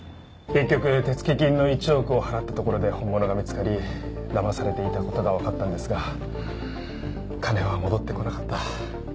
結局手付金の１億を払ったところで本物が見つかりだまされていた事がわかったんですが金は戻ってこなかった。